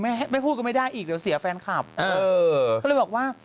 ไม่ไม่พูดก็ไม่ได้อีกเดี๋ยวเสียแฟนคลับเออเขาเลยบอกว่า